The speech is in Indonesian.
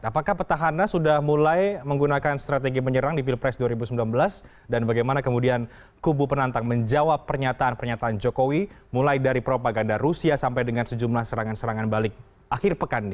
apakah petahana sudah mulai menggunakan strategi menyerang di pilpres dua ribu sembilan belas dan bagaimana kemudian kubu penantang menjawab pernyataan pernyataan jokowi mulai dari propaganda rusia sampai dengan sejumlah serangan serangan balik akhir pekan ini